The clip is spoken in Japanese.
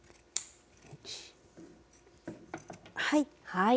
はい。